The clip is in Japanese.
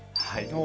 はい。